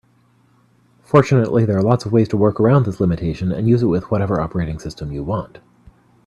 Fortunately, there are lots of ways to work around this limitation and use it with whatever operating system you want.